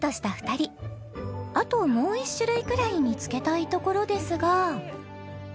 ［あともう１種類くらい見つけたいところですが］